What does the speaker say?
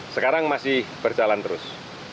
sekarang masih berjalan terus